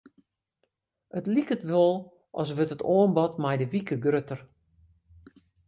It liket wol as wurdt it oanbod mei de wike grutter.